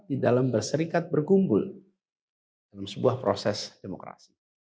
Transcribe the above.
di dalam berserikat berkumpul dalam sebuah proses demokrasi